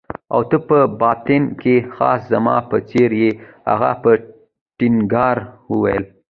او ته په باطن کې خاص زما په څېر يې. هغه په ټینګار وویل.